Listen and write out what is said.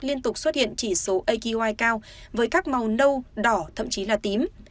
liên tục xuất hiện chỉ số aqi cao với các màu nâu đỏ thậm chí là tím